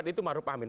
itu maruf amin